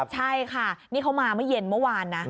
ใช่ค่ะนี่เขามาเย็นเมื่อวาน